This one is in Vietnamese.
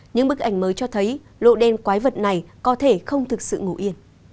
những bức ảnh mới cho thấy lộ đen quái vật này có thể không thực sự ngủ yên